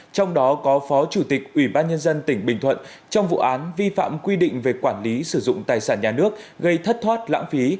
trong đó có phó chủ tịch ủy ban nhân dân tỉnh bình thuận trong vụ án vi phạm quy định về quản lý sử dụng tài sản nhà nước gây thất thoát lãng phí